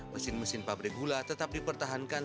mesin mesin pabrik gula tetap dipertahankan